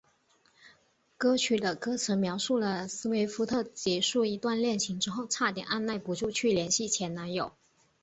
歌曲的歌词描述了斯威夫特结束一段恋情之后差点按捺不住去联系前男友。